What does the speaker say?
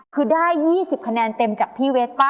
คือได้๒๐คะแนนเต็มจากพี่เวสป้า